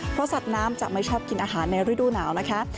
เพราะสัตว์น้ำจะไม่ชอบกินอาหารในฤดูหนาวนะคะ